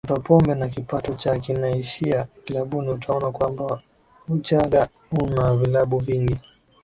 watu wa pombe na kipato chao kinaishia kilabuni Utaona kwamba Uchagga una vilabu vingi